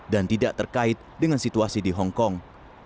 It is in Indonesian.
dan tidak terkait dengan situasi di hong kong